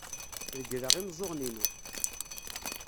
Regleɣ imeẓẓuɣen-inu.